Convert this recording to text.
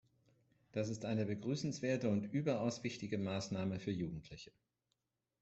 Dies ist eine begrüßenswerte und überaus wichtige Maßnahme für Jugendliche.